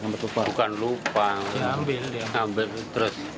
bukan lupa saya ambil terus